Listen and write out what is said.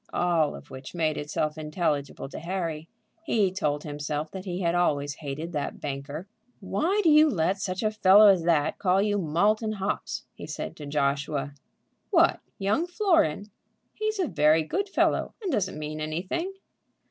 All of which made itself intelligible to Harry. He told himself that he had always hated that banker. "Why do you let such a fellow as that call you Malt and hops?" he said to Joshua. "What, young Florin? He's a very good fellow, and doesn't mean anything."